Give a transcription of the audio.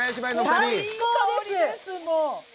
最高です！